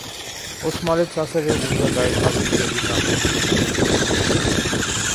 ოსმალეთს ასევე უნდა გაეთავისუფლებინა რუსი სამხედრო ტყვეები.